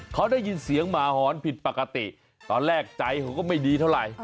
เขาได้ยินเสียงหมาหอนผิดปกติตอนแรกใจเขาก็ไม่ดีเท่าไหร่